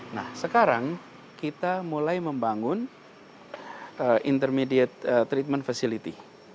nah sekarang kita mulai membangun intermediate treatment facility